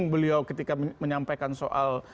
beliau ketika menyampaikan soal